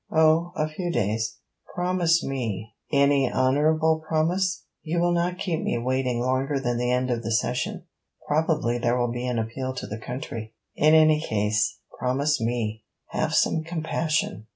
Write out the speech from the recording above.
'Oh, a few days. Promise me...' 'Any honourable promise!' 'You will not keep me waiting longer than the end of the Session?' 'Probably there will be an appeal to the country.' 'In any case, promise me: have some compassion.'